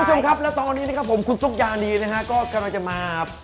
ซุกยานนี้นะครับกำลังจะมา